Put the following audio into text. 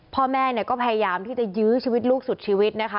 พ่อแม่เนี่ยก็พยายามที่จะยื้อชีวิตลูกสุดชีวิตนะคะ